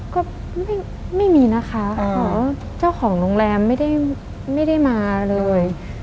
ก็ไม่มีนะคะเจ้าของโรงแรมไม่ได้มาเลย